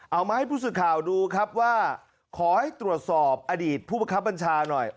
เอามาให้ผู้สื่อข่าวดูครับว่าขอให้ตรวจสอบอดีตผู้ประคับบัญชาหน่อย